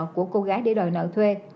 của cô gái để đòi nợ thuê